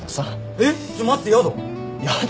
えっちょっと待ってやだ！